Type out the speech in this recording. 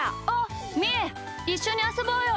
いっしょにあそぼうよ。